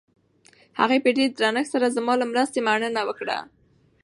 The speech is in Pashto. هغې په ډېر درنښت سره زما له مرستې مننه وکړه.